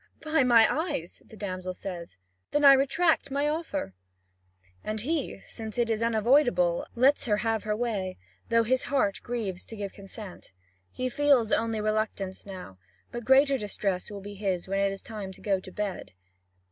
"By my eyes," the damsel says, "then I retract my offer." And he, since it is unavoidable, lets her have her way, though his heart grieves to give consent. He feels only reluctance now; but greater distress will be his when it is time to go to bed.